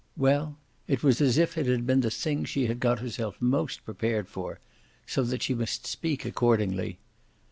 Well, it was as if it had been the thing she had got herself most prepared for so that she must speak accordingly.